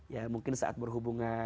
ya mungkin saat berhubungan